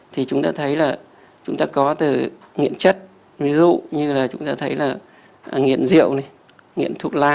thì chúng ta thấy là chúng ta có từ nghiện chất ví dụ như là chúng ta thấy là nghiện rượu này nghiện thuốc lá